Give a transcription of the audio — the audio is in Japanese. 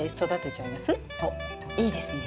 おっいいですね！